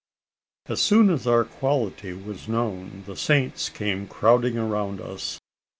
As soon as our quality was known, the Saints came crowding around us.